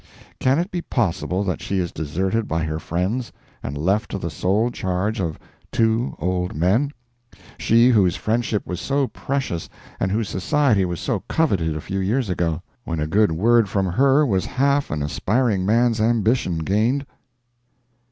Can it be possible that she is deserted by her friends and left to the sole charge of the "two old men?"—she whose friendship was so precious and whose society was so coveted a few years ago, when a good word from her was half an aspiring man's ambition gained?